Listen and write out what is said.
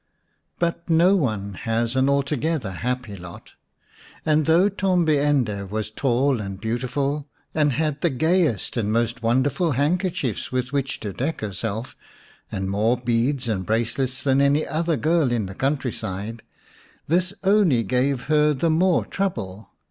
But no one has an altogether happy lot. And though Tombi ende was tall and beautiful, and had the gayest and most wonderful hand kerchiefs with which to deck herself, and more 187 The Fairy Frog xvi beads and bracelets than any other girl in the country side, this only gave her the more trouble.